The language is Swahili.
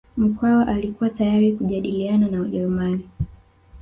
Mkwawa alikuwa tayari kujadiliana na Wajerumani